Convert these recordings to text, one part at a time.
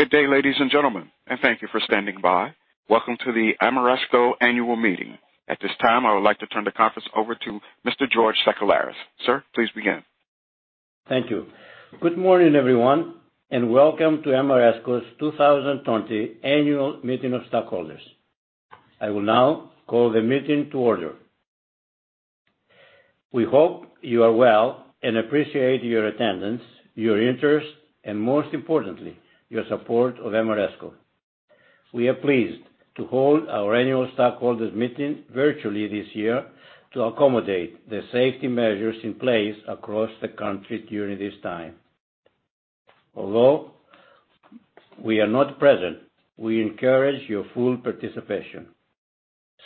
Good day, ladies and gentlemen, and thank you for standing by. Welcome to the Ameresco Annual Meeting. At this time, I would like to turn the conference over to Mr. George Sakellaris. Sir, please begin. Thank you. Good morning, everyone, and welcome to Ameresco's 2020 Annual Meeting of Stockholders. I will now call the meeting to order. We hope you are well and appreciate your attendance, your interest, and most importantly, your support of Ameresco. We are pleased to hold our annual stockholders meeting virtually this year to accommodate the safety measures in place across the country during this time. Although we are not present, we encourage your full participation.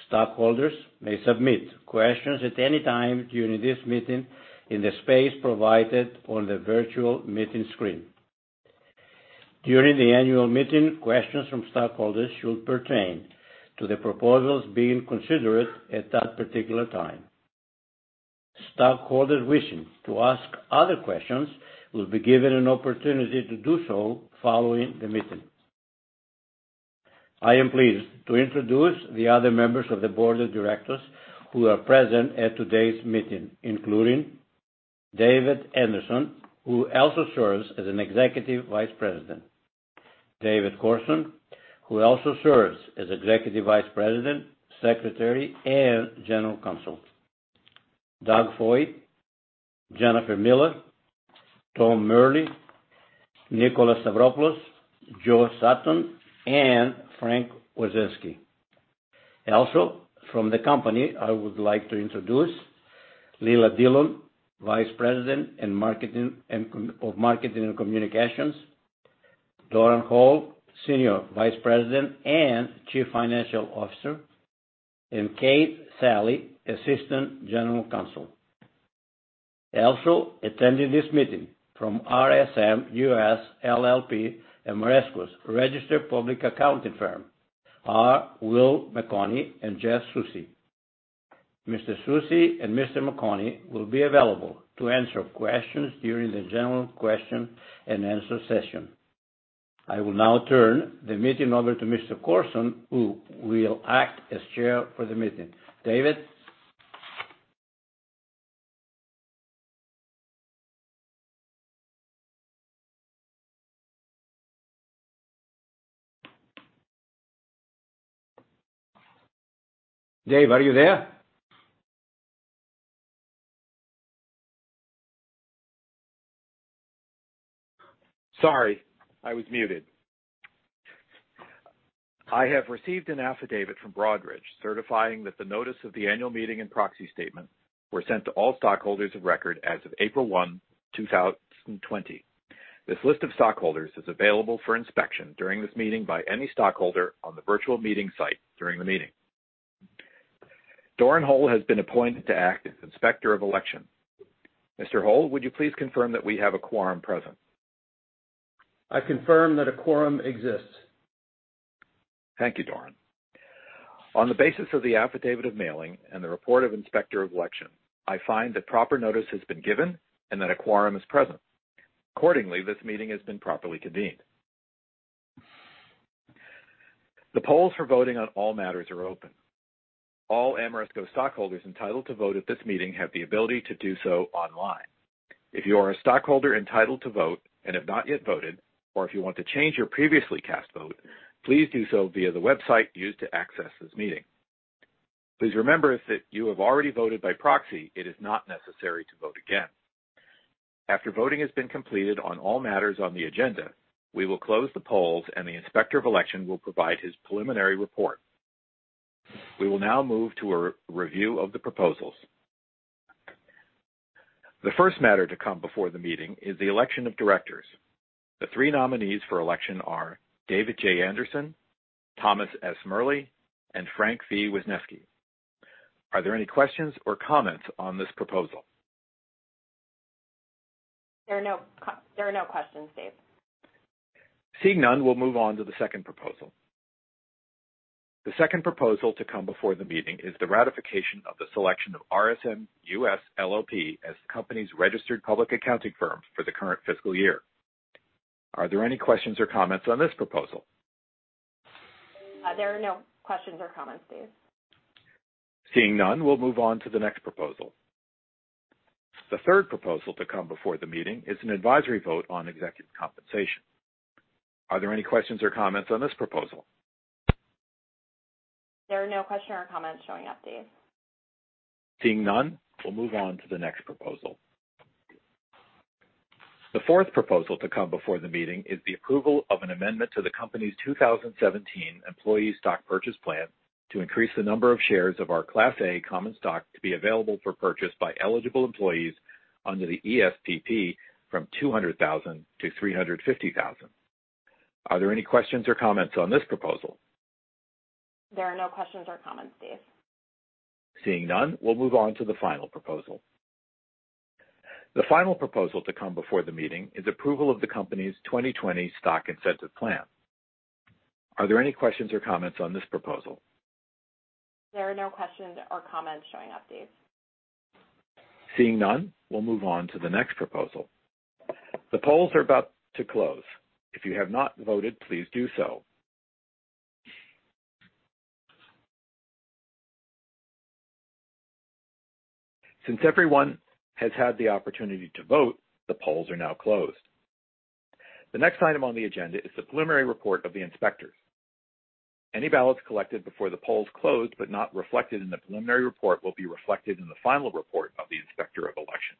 Stockholders may submit questions at any time during this meeting in the space provided on the virtual meeting screen. During the annual meeting, questions from stockholders should pertain to the proposals being considered at that particular time. Stockholders wishing to ask other questions will be given an opportunity to do so following the meeting. I am pleased to introduce the other members of the board of directors who are present at today's meeting, including David Anderson, who also serves as an Executive Vice President. David Corrsin, who also serves as Executive Vice President, Secretary, and General Counsel. Doug Foy, Jennifer Miller, Tom Murley, Nickolas Stavropoulos, Joe Sutton, and Frank Wisneski. Also, from the company, I would like to introduce Leila Dillon, Vice President of Marketing and Communications, Doran Hole, Senior Vice President and Chief Financial Officer, and Kate Sully, Assistant General Counsel. Also, attending this meeting from RSM US LLP, Ameresco's registered public accounting firm, are Will McKenney and Jeff Soucy. Mr. Soucy and Mr. McKenney will be available to answer questions during the general question and answer session. I will now turn the meeting over to Mr. Corrsin, who will act as chair for the meeting. David? Dave, are you there? Sorry, I was muted. I have received an affidavit from Broadridge, certifying that the notice of the annual meeting and proxy statement were sent to all stockholders of record as of April 1, 2020. This list of stockholders is available for inspection during this meeting by any stockholder on the virtual meeting site during the meeting. Doran Hole has been appointed to act as Inspector of Election. Mr. Hole, would you please confirm that we have a quorum present? I confirm that a quorum exists. Thank you, Doran. On the basis of the affidavit of mailing and the report of Inspector of Election, I find that proper notice has been given and that a quorum is present. Accordingly, this meeting has been properly convened. The polls for voting on all matters are open. All Ameresco stockholders entitled to vote at this meeting have the ability to do so online. If you are a stockholder entitled to vote and have not yet voted, or if you want to change your previously cast vote, please do so via the website used to access this meeting. Please remember, if you have already voted by proxy, it is not necessary to vote again. After voting has been completed on all matters on the agenda, we will close the polls, and the Inspector of Election will provide his preliminary report. We will now move to a review of the proposals. The first matter to come before the meeting is the election of directors. The three nominees for election are David J. Anderson, Thomas S. Murley, and Frank V. Wisneski. Are there any questions or comments on this proposal? There are no questions, Dave. Seeing none, we'll move on to the second proposal. The second proposal to come before the meeting is the ratification of the selection of RSM US LLP as the company's registered public accounting firm for the current fiscal year. Are there any questions or comments on this proposal? There are no questions or comments, Dave. Seeing none, we'll move on to the next proposal. The third proposal to come before the meeting is an advisory vote on executive compensation. Are there any questions or comments on this proposal? There are no questions or comments showing up, Dave. Seeing none, we'll move on to the next proposal. The fourth proposal to come before the meeting is the approval of an amendment to the company's 2017 Employee Stock Purchase Plan to increase the number of shares of our Class A Common Stock to be available for purchase by eligible employees under the ESPP from 200,000 to 350,000. Are there any questions or comments on this proposal? There are no questions or comments, Dave. Seeing none, we'll move on to the final proposal. The final proposal to come before the meeting is approval of the company's 2020 Stock Incentive Plan. Are there any questions or comments on this proposal? There are no questions or comments showing up, Dave.... Seeing none, we'll move on to the next proposal. The polls are about to close. If you have not voted, please do so. Since everyone has had the opportunity to vote, the polls are now closed. The next item on the agenda is the preliminary report of the inspectors. Any ballots collected before the polls closed but not reflected in the preliminary report will be reflected in the final report of the Inspector of Election.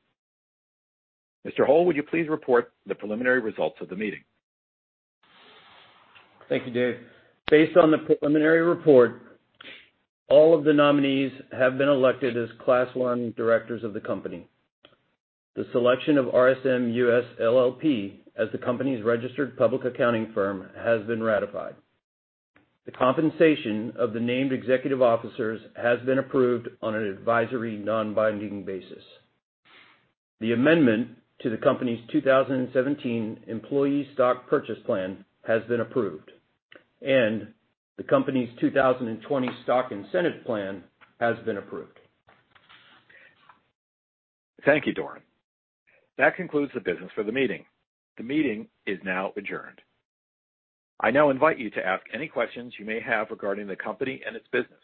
Mr. Hole, would you please report the preliminary results of the meeting? Thank you, Dave. Based on the preliminary report, all of the nominees have been elected as Class One directors of the company. The selection of RSM US LLP as the company's registered public accounting firm has been ratified. The compensation of the named executive officers has been approved on an advisory, non-binding basis. The amendment to the company's 2017 Employee Stock Purchase Plan has been approved, and the company's 2020 Stock Incentive Plan has been approved. Thank you, Doran. That concludes the business for the meeting. The meeting is now adjourned. I now invite you to ask any questions you may have regarding the company and its business.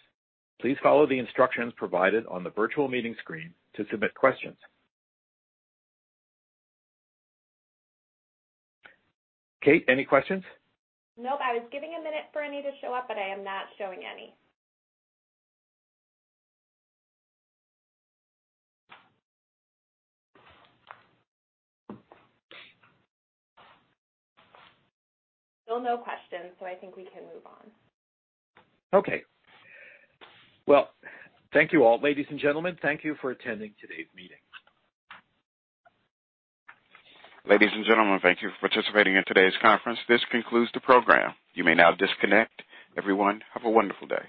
Please follow the instructions provided on the virtual meeting screen to submit questions. Kate, any questions? Nope. I was giving a minute for any to show up, but I am not showing any. Still no questions, so I think we can move on. Okay. Well, thank you all. Ladies and gentlemen, thank you for attending today's meeting. Ladies and gentlemen, thank you for participating in today's conference. This concludes the program. You may now disconnect. Everyone, have a wonderful day.